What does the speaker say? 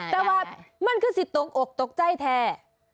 แต่ว่ามันคือสิทธิ์ตกอกตกใจแท้